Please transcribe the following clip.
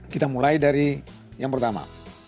kita mulai dari yang pertama